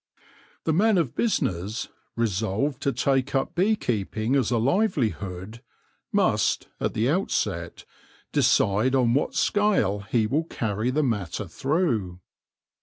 The man of business, resolved to take up bee keeping as a livelihood, must, at the outset, decide on what scale he will carry the matter through.